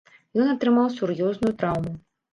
Ён атрымаў сур'ёзную траўму.